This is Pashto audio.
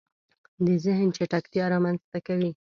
د زهن چټکتیا رامنځته کوي